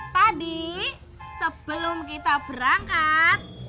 tadi sebelum kita berangkat